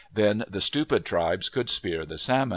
Then the stupid tribes could spear the salmon.